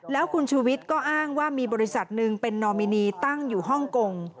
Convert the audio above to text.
แล้วคุณชูวิทย์ก็อ้างว่ามีบริษัทหนึ่งเป็นนอมินีตั้งอยู่ฮ่องกง